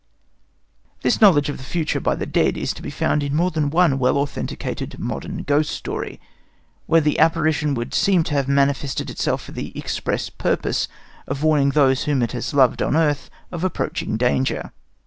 This knowledge of the future by the dead is to be found in more than one well authenticated modern ghost story, where the apparition would seem to have manifested itself for the express purpose of warning those whom it has loved on earth of approaching danger.